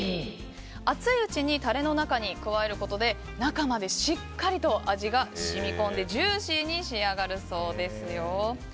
熱いうちにタレの中に加えることで中までしっかりと味が染み込んでジューシーに仕上がるそうですよ。